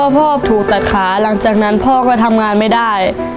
พ่อถูกตัดขาหลังจากนั้นพ่อก็ทำงานไม่ได้